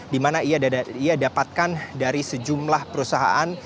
di mana ia dapatkan dari sejumlah perusahaan